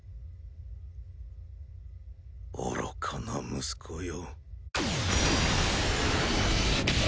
愚かな息子よ。